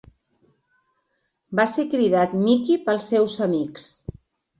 Va ser cridat Mickey pels seus amics.